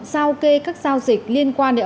sao kê các giao dịch liên quan đến